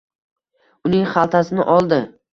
uning xaltasini oldi.